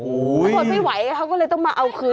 เขาทนไม่ไหวเขาก็เลยต้องมาเอาคืน